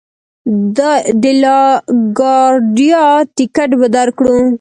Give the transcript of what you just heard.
د لا ګارډیا ټکټ به درکړو.